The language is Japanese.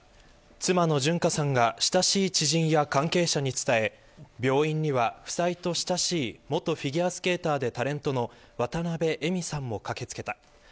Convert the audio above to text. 妻の純歌さんが親しい知人や関係者に伝え病院には、夫妻と親しい元フィギュアスケーターでタレントの渡部絵美さんも駆け付けた。